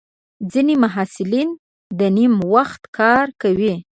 ځینې محصلین د نیمه وخت کار کوي.